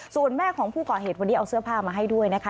ส่วนแม่ของผู้ก่อเหตุวันนี้เอาเสื้อผ้ามาให้ด้วยนะคะ